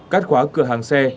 cắt khóa cửa hàng xe